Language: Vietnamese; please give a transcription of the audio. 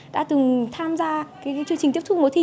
đã từng tham gia chương trình tiếp xúc mùa thi